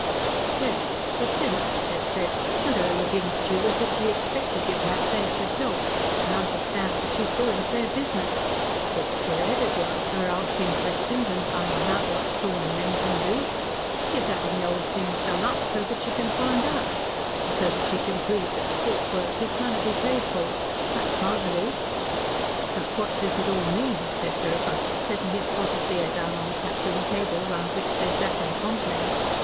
"Yes, it's the sense," said Tread, "and her looking at you as if she expected you to have sense yourself, and understand that she's doing fair business. It's clear headed like her asking questions and finding out what Stornham men can do. She's having the old things done up so that she can find out, and so that she can prove that the Court work is going to be paid for. That's my belief." "But what does it all mean?" said Joe Buttle, setting his pot of beer down on the taproom table, round which they sat in conclave.